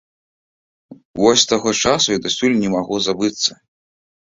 Вось з таго часу і дасюль не магу забыцца.